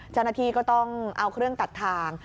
จันทีก็ต้องเอาเครื่องตัดทาง